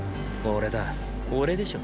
俺だ。